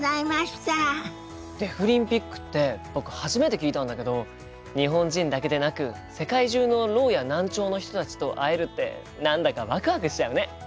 デフリンピックって僕初めて聞いたんだけど日本人だけでなく世界中のろうや難聴の人たちと会えるって何だかワクワクしちゃうね。